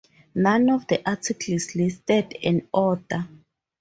None of the articles listed an author.